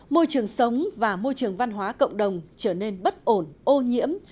môi trường sống và môi trường văn hóa cộng đồng trở nên bất ổn ô nhiễm